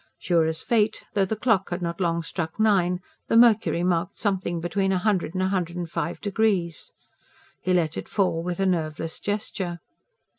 Sure as fate, though the clock had not long struck nine, the mercury marked something between a hundred and a hundred and five degrees. He let it fall with a nerveless gesture.